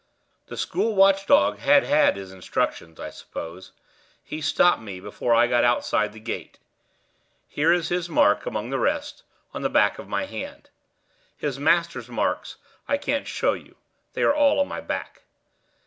The school watch dog had had his instructions, I suppose: he stopped me before I got outside the gate. Here is his mark, among the rest, on the back of my hand. His master's marks I can't show you; they are all on my back.